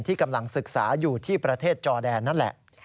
กำลังศึกษาอยู่ที่ประเทศจอแดนนั่นแหละ